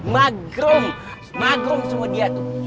maghrum maghrum semua dia tuh